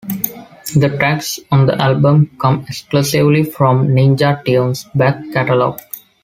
The tracks on the album come exclusively from Ninja Tune's back catalogue.